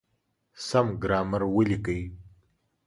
سم ګرامر وليکئ!.